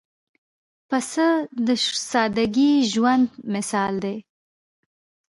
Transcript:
پسه د سادګۍ ژوندى مثال دی.